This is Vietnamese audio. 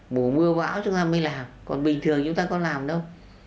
mùa mưa bão chúng ta mới làm còn bình thường chúng ta có làm đâu